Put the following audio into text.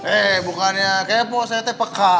eh bukannya kepo saya tepeka